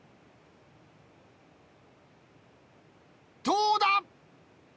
どうだ！